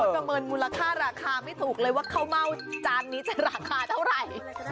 ประเมินมูลค่าราคาไม่ถูกเลยว่าข้าวเม่าจานนี้จะราคาเท่าไหร่